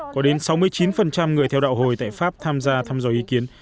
có đến sáu mươi chín người theo đạo hồi tại pháp tham gia thăm dò ý kiến